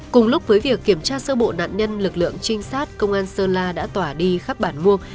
cùng lúc với việc kiểm tra sơ bộ nạn nhân lực lượng trinh sát công an sơn la đã tỏa đi khắp bản muông